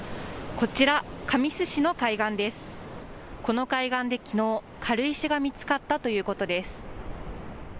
この海岸できのう軽石が見つかったということです。